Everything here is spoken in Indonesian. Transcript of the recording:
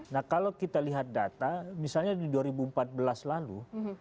nah kalau kita lihat data misalnya di dua ribu empat belas lalu